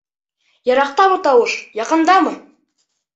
Йыраҡтамы тауыш, яҡындамы?